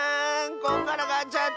こんがらがっちゃった。